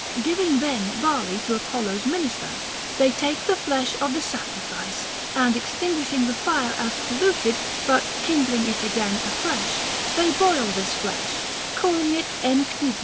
Giving then barley to Apollo's minister, they take the flesh of the sacrifice, and extinguishing the fire as polluted but kindling it again afresh, they boil this flesh, calling it εγχησμα.